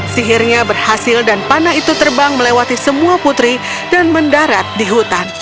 sihirnya berhasil dan panah itu terbang melewati semua putri dan mendarat di hutan